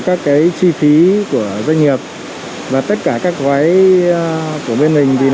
các chi phí của doanh nghiệp và tất cả các vay của bên mình